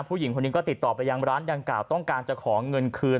ผู้หญิงคนนี้ก็ติดต่อไปยังร้านดังกล่าวต้องการจะขอเงินคืน